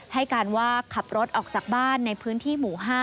ให้การว่าขับรถออกจากบ้านในพื้นที่หมู่๕